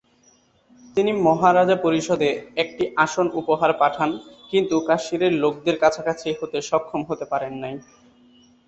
তিনি মহারাজা পরিষদে একটি আসন উপহার পাঠান, কিন্তু কাশ্মীরের লোকেদের কাছাকাছি হতে সক্ষম হতে পারেন নাই।